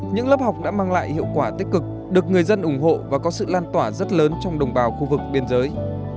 những lớp học đã mang lại hiệu quả tích cực được người dân ủng hộ và có sự lan tỏa rất lớn trong đồng bào khu vực biên giới